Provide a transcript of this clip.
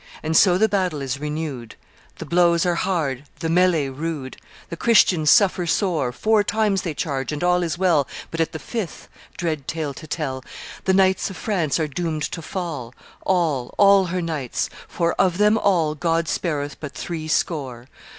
And so the battle is renewed: The blows are hard, the melley rude; The Christians suffer sore Four times they charge and all is well, But at the fifth dread tale to tell The knights of France are doomed to fall, All, all her knights; for of them all God spareth but threescore.